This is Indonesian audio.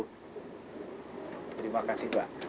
terima kasih pak